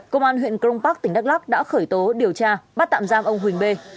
công an huyện crong park tỉnh đắk lắc đã khởi tố điều tra bắt tạm giam ông huỳnh bê